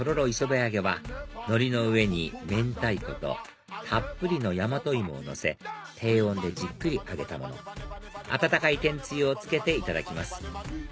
いそべ揚げは海苔の上に明太子とたっぷりの大和芋をのせ低温でじっくり揚げたもの温かい天つゆをつけていただきます